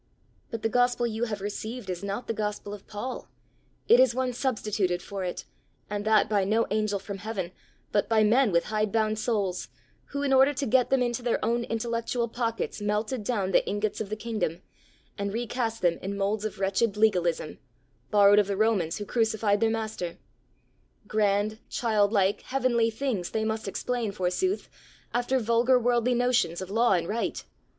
"But the gospel you have received is not the gospel of Paul; it is one substituted for it and that by no angel from heaven, but by men with hide bound souls, who, in order to get them into their own intellectual pockets, melted down the ingots of the kingdom, and re cast them in moulds of wretched legalism, borrowed of the Romans who crucified their master. Grand, childlike, heavenly things they must explain, forsooth, after vulgar worldly notions of law and right!